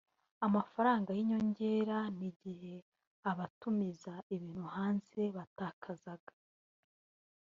amafaranga y’inyongera n’igihe abatumiza ibintu hanze batakazaga